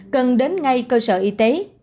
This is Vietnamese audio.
cần đến ngay cơ sở y tế